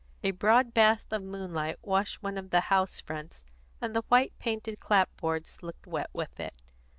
A broad bath of moonlight washed one of the house fronts, and the white painted clapboards looked wet with it.